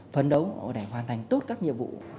phấn đấu để hoàn thành tốt các nhiệm vụ